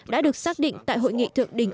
đã được xác định tại hội nghị thượng đỉnh